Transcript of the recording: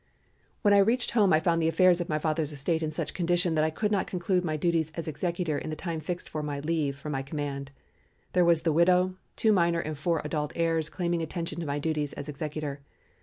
When I reached home I found the affairs of my father's estate in such condition that I could not conclude my duties as executor in the time fixed for my "leave" from my command. There was the widow, two minor and four adult heirs claiming attention to my duties as executor.